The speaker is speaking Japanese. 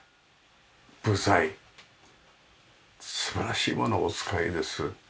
部材素晴らしいものをお使いです。